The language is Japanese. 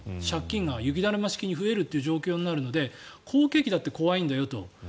借金が雪だるま式に増えるという状況になるので好景気だって怖いんだよと。